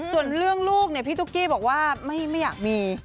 ส่วนเรื่องลูกพี่ตุ๊กกี้บอกว่าไม่อยากมี